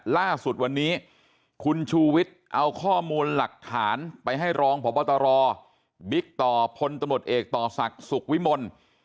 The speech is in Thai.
ล่าสุดวันนี้คุณชูวิทย์เอาข้อมูลหลักฐานไปให้รองพบตรบิ๊กต่อพลตำรวจเอกต่อศักดิ์สุขวิมล